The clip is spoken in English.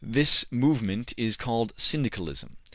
This movement is called Syndicalism.